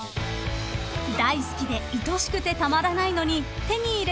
［大好きでいとしくてたまらないのに手に入れてしまうと悲しい。